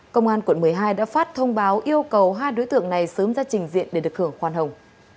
công an tp hcm đã phát thông báo yêu cầu hai đối tượng này sớm ra trình diện để được hưởng khoan hồng